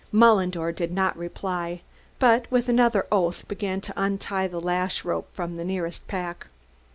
Mullendore did not reply, but with another oath began to untie the lash rope from the nearest pack.